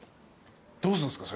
どうすんすか？